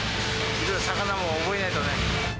魚も覚えないとね。